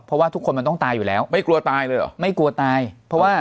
เพราะว่าทุกคนมันต้องตายอยู่แล้วไม่กลัวตายเลยเหรอไม่กลัวตายเพราะว่า